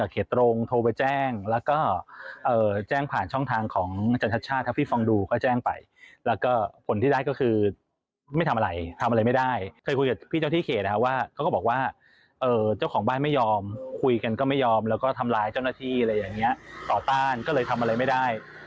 คุยกันก็ไม่ยอมแล้วก็ทำร้ายเจ้าหน้าที่อะไรอย่างนี้ต่อต้านก็เลยทำอะไรไม่ได้